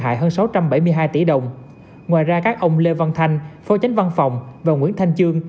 hại hơn sáu trăm bảy mươi hai tỷ đồng ngoài ra các ông lê văn thanh phó chánh văn phòng và nguyễn thanh trương